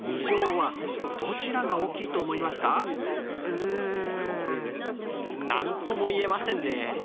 うん何とも言えませんね。